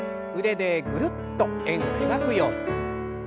腕でぐるっと円を描くように。